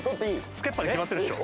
つけっぱに決まってるでしょ。